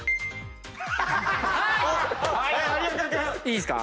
いいっすか？